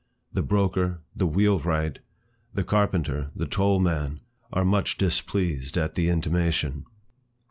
The broker, the wheelwright, the carpenter, the toll man, are much displeased at the intimation.